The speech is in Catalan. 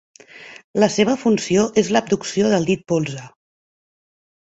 La seva funció és l'abducció del dit polze.